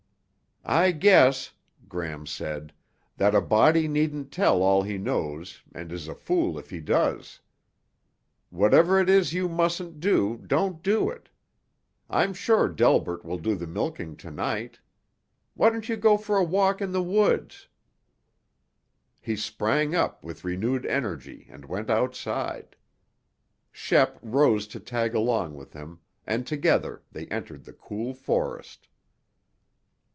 "I guess," Gram said, "that a body needn't tell all he knows and is a fool if he does. Whatever it is you mustn't do, don't do it. I'm sure Delbert will do the milking tonight. Why don't you go for a walk in the woods?" He sprang up with renewed energy and went outside. Shep rose to tag along with him and together they entered the cool forest.